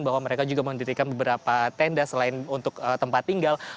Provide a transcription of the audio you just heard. bahwa mereka juga mendirikan beberapa tenda selain untuk tempat tinggal